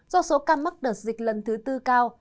do số ca mắc đợt dịch lần thứ tư cao